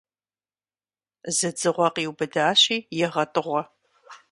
Зы дзыгъуэ къиубыдащи, егъэтӀыгъуэ.